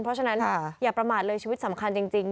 เพราะฉะนั้นอย่าประมาทเลยชีวิตสำคัญจริง